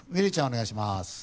お願いします。